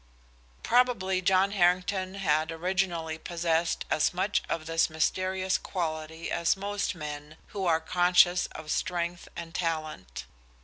Probably John Harrington had originally possessed as much of this mysterious quality as most men who are conscious of strength and talent.